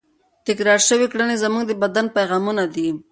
تکرار شوې کړنې زموږ د بدن پیغامونه دي.